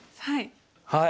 はい。